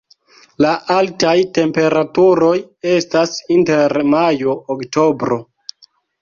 La altaj temperaturoj estas inter majo-oktobro.